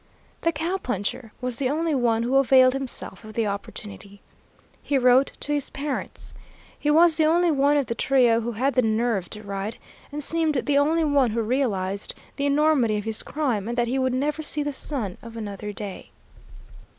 The cow puncher was the only one who availed himself of the opportunity. He wrote to his parents. He was the only one of the trio who had the nerve to write, and seemed the only one who realized the enormity of his crime, and that he would never see the sun of another day.